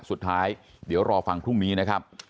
สุดท้ายเดี๋ยวรอฟังพรุ่งนี้นะครับ